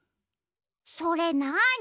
それなに？